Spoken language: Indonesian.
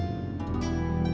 udah gak bisa